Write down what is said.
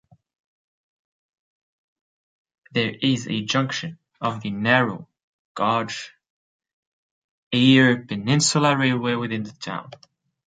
There is a junction of the narrow gauge Eyre Peninsula Railway within the town.